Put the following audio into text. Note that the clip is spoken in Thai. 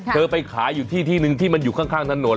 ไปขายอยู่ที่ที่หนึ่งที่มันอยู่ข้างถนน